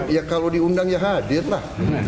ya kalau diundang ya hadir lah